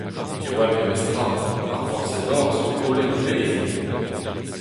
Diwall memes tra, ar vorzhed-hoc'h zo holen e-leizh ennañ !